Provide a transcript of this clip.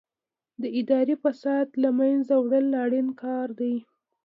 د اداري فساد له منځه وړل اړین کار دی.